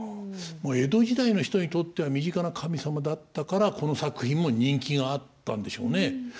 もう江戸時代の人にとっては身近な神様だったからこの作品も人気があったんでしょうね。